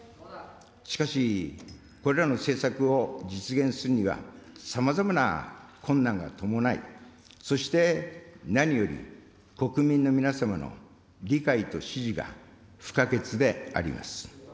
しかし、これらの政策を実現するには、さまざまな困難が伴い、そして何より国民の皆様の理解と支持が不可欠であります。